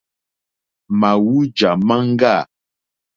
Màwújà máŋɡâ.